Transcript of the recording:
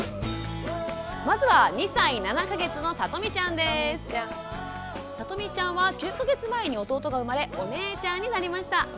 まずはさとみちゃんは９か月前に弟が生まれお姉ちゃんになりました。